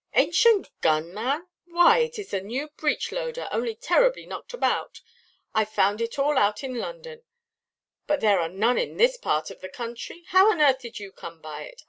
"Ancient gun, man! Why, it is a new breech–loader, only terribly knocked about. I found it all out in London. But there are none in this part of the country. How on earth did you come by it?